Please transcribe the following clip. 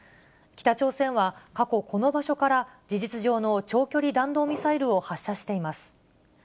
北朝鮮は過去、この場所から、事実上の長距離弾道ミサイルを発射しています。